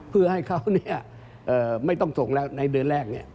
เพื่อให้เขาไม่ต้องส่งแล้วในเดือนแรก